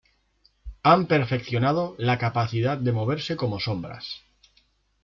Han perfeccionado la capacidad de moverse como sombras.